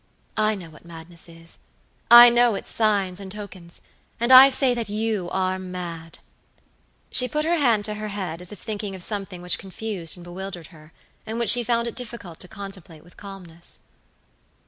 I know what madness is. I know its signs and tokens, and I say that you are mad." She put her hand to her head, as if thinking of something which confused and bewildered her, and which she found it difficult to contemplate with calmness.